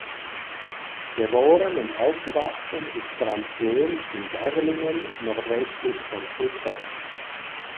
Geboren und aufgewachsen ist Franz Böhm in Gerlingen nordwestlich von Stuttgart.